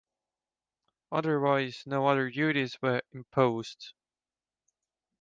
Otherwise no other duties were imposed.